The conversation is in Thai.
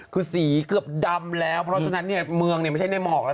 คือสีเกือบดำแล้วเพราะฉะนั้นเนี่ยเมืองเนี่ยไม่ใช่ในหมอกแล้ว